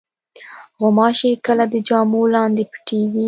غوماشې کله د جامو لاندې پټېږي.